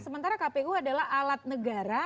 sementara kpu adalah alat negara